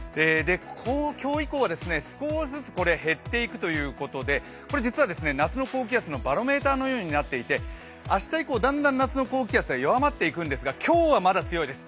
今日以降は少しずつ減っていくということで、これ、実は夏の高気圧のバロメーターのようになっていて明日以降、だんだん夏の高気圧は弱まっていくんですが今日はまだ強いです。